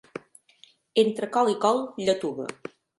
Entre col i col, lletuga.